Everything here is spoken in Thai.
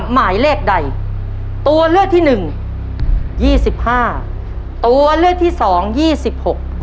หมายเลขใดตัวเลือกที่หนึ่งยี่สิบห้าตัวเลือกที่สองยี่สิบหก